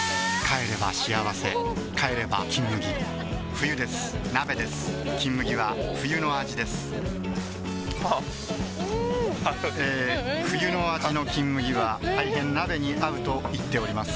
冬です鍋です「金麦」は冬の味ですえー冬の味の「金麦」は大変鍋に合うと言っております